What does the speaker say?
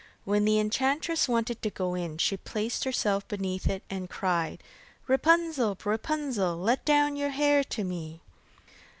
When the enchantress wanted to go in, she placed herself beneath it and cried: 'Rapunzel, Rapunzel, Let down your hair to me.